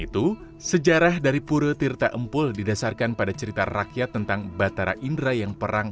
itu sejarah dari pura tirta empul didasarkan pada cerita rakyat tentang batara indra yang perang